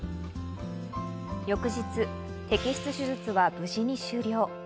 翌日、摘出手術は無事に終了。